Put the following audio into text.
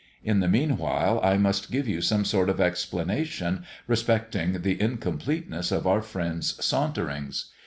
In the meanwhile I must give you some sort of explanation respecting the incompleteness of our friend's "Saunterings."